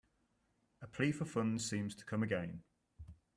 A plea for funds seems to come again.